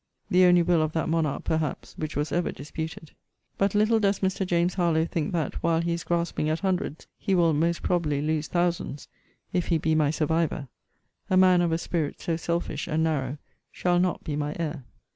The only will of that monarch, perhaps, which was ever disputed. But little does Mr. James Harlowe think that, while he is grasping at hundreds, he will, most probably, lose thousands, if he be my survivor. A man of a spirit so selfish and narrow shall not be my heir.